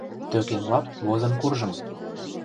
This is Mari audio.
Тӧкем лап возын куржым.